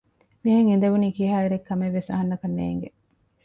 މިހެން އިދެވުނީ ކިހާ އިރެއް ކަމެއްވެސް އަހަންނަކަށް ނޭގެ